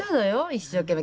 一生懸命。